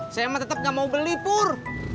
saya emang tetap nggak mau beli pur